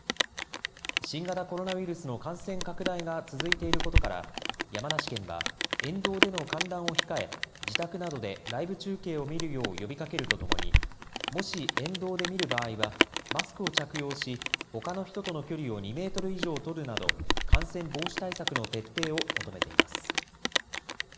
新型コロナウイルスの感染拡大が続いていることから、山梨県は、沿道での観覧を控え、自宅などでライブ中継を見るよう呼びかけるとともに、もし沿道で見る場合は、マスクを着用し、ほかの人との距離を２メートル以上取るなど、感染防止対策の徹底を求めています。